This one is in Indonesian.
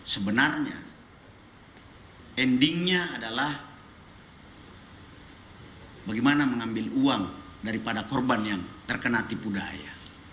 sebenarnya endingnya adalah bagaimana mengambil uang daripada korban yang terkena tipu daya